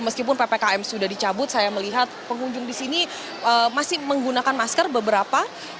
meskipun ppkm sudah dicabut saya melihat pengunjung di sini masih menggunakan masker beberapa